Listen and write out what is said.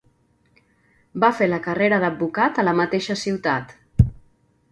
Va fer la carrera d'advocat a la mateixa ciutat.